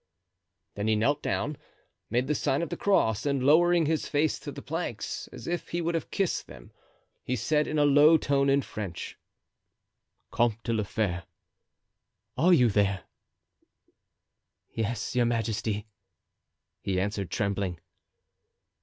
Then he knelt down, made the sign of the cross, and lowering his face to the planks, as if he would have kissed them, said in a low tone, in French, "Comte de la Fere, are you there?" "Yes, your majesty," he answered, trembling.